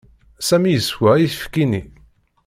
Sami yeswa ayefki-nni.